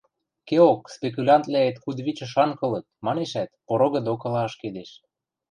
– Кеок, спекулянтвлӓэт кудывичӹ шанг ылыт, – манешӓт, порогы докыла ашкедеш.